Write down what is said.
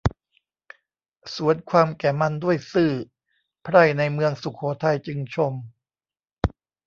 สวนความแก่มันด้วยซื่อ ไพร่ในเมืองสุโขทัยจึงชม